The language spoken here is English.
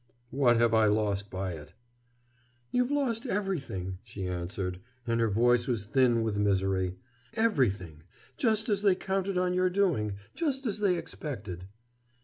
"What have I lost by it?" "You've lost everything," she answered, and her voice was thin with misery. "Everything—just as they counted on your doing, just as they expected!"